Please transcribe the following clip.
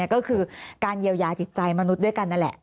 ก็คือการเยียวยาจิตใจมนุษย์ด้วยกันนั่นแหละ